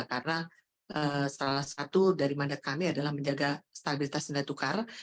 karena salah satu dari mandat kami adalah menjaga stabilitas sendai tukar